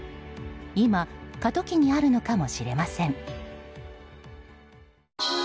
今、過渡期にあるのかもしれません。